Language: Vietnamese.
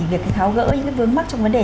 việc tháo gỡ những vướng mắt trong vấn đề